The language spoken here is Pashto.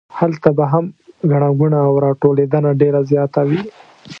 هلته به هم ګڼه ګوڼه او راټولېدنه ډېره زیاته وي.